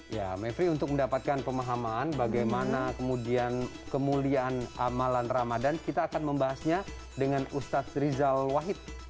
ya mevri untuk mendapatkan pemahaman bagaimana kemudian kemuliaan amalan ramadan kita akan membahasnya dengan ustadz rizal wahid